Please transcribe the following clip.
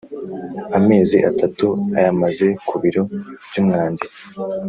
amezi atatu ayamaze ku biro by ‘umwanditsi.